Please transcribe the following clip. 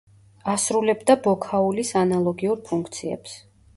ასრულებდა ბოქაულის ანალოგიურ ფუნქციებს.